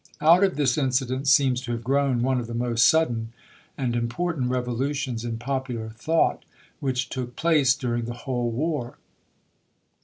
Out of this incident seems to have grown one of the most sudden and important revolutions in popular thought which took place during the whole war.